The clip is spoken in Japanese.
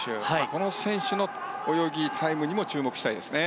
この選手の泳ぎ、タイムにも注目したいですね。